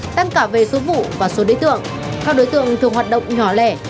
tăng cả về số vụ và số đối tượng các đối tượng thường hoạt động nhỏ lẻ